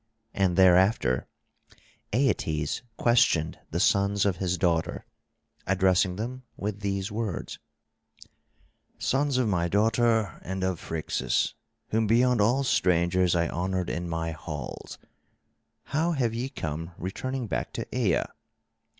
And thereafter Aeetes questioned the sons of his daughter, addressing them with these words: "Sons of my daughter and of Phrixus, whom beyond all strangers I honoured in my halls, how have ye come returning back to Aea?